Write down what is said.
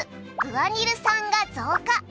グアニル酸が増加。